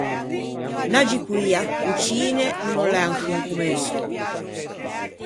N’aggi poia, o cine o no l’é ancon comensou.